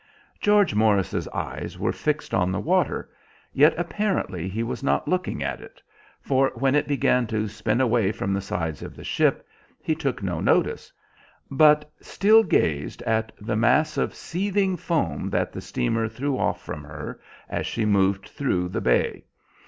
George Morris's eyes were fixed on the water, yet apparently he was not looking at it, for when it began to spin away from the sides of the ship he took no notice, but still gazed at the mass of seething foam that the steamer threw off from her as she moved through the bay.